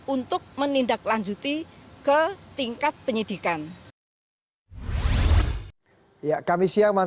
untuk menindaklanjuti ke tingkat penyidikan